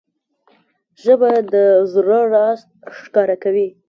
ژبه د زړه راز ښکاره کوي